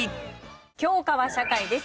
教科は社会です。